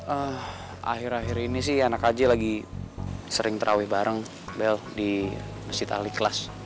ehm akhir akhir ini sih anak aja lagi sering terhawi bareng bel di masjid ali kelas